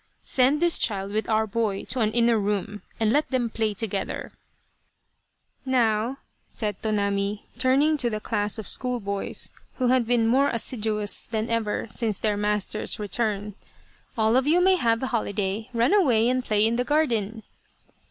" Send this child with our boy to an inner room, and let them play together." 199 Loyal, Even Unto Death " Now," said Tonami, turning to the class of school boys, who had been more assiduous than ever since their master's return, " all of you may have a holiday. Run away and play in the garden